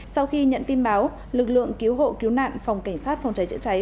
sau khi nhận tin báo lực lượng cứu hộ cứu nạn phòng cảnh sát phòng cháy chữa cháy